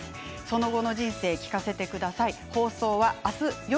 「その後の人生聞かせて下さい」